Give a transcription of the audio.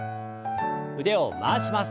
腕を回します。